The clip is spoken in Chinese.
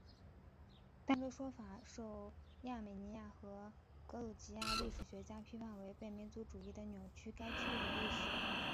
但这说法受亚美尼亚和格鲁吉亚历史学家批评为被民族主义的扭曲该区域的历史。